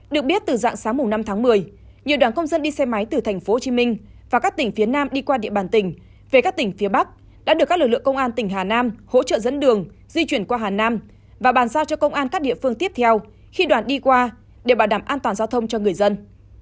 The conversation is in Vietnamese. được biết từ dạng sáng năm tháng một mươi nhiều đoàn công dân đi xe máy từ tp hcm và các tỉnh phía nam đi qua địa bàn tỉnh về các tỉnh phía bắc đã được các lực lượng công an tỉnh hà nam hỗ trợ dẫn đường di chuyển qua hà nam và bàn giao cho công an các địa phương tiếp theo khi đoàn đi qua để bảo đảm an toàn giao thông cho người dân